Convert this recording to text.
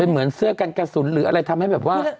เหมือนเสื้อกันกระสุนหรืออะไรทำให้แบบว่า